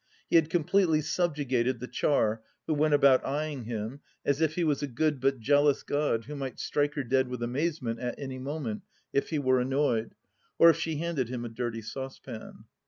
He had completely subjugated the " char," who went about eyeing him as if he was a good but jealous God who might strike her dead with amazement at any moment if he were annoyed, or if she handed him a dirty saucepan.